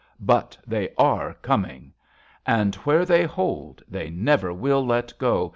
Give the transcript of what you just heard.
But they are coming, And, where they hold, they never will let go.